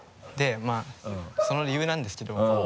その理由なんですけど。